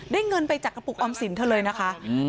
เงินไปจากกระปุกออมสินเธอเลยนะคะ